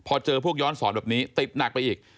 พอเจอพวกย้อนสอนแบบนี้ติดหนักไปอีก